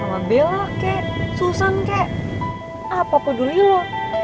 ayah ayah mati gue